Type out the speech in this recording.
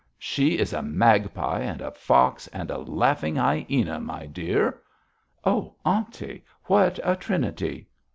'She is a magpie, and a fox, and a laughing hyæna, my dear.' 'Oh, aunty, what a trinity!'